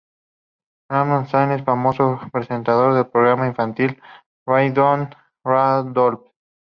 Randolph Smiley es el famoso presentador del programa infantil "Rainbow Randolph".